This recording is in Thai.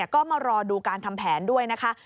ก็มารอดูการทำแผนด้วยนะคะ